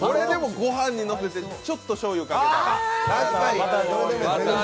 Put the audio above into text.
御飯にのせてちょっとしょうゆかけても。